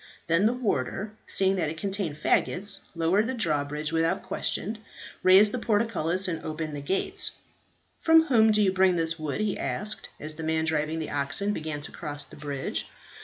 Then the warder, seeing that it contained faggots, lowered the drawbridge without question, raised the portcullis, and opened the gates. "From whom do you bring this wood?" he asked, as the man driving the oxen began to cross the bridge.